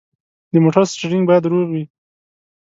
د موټر سټیرینګ باید روغ وي.